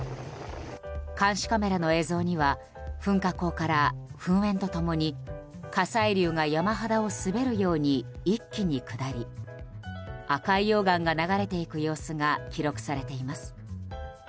監視カメラの映像には噴火口から噴煙と共に火砕流が山肌を滑るように一気に下り赤い溶岩が流れていく様子が記録されています。